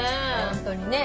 本当にね。